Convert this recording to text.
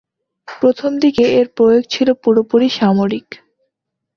প্রথম দিকে এর প্রয়োগ ছিল পুরোপুরি সামরিক।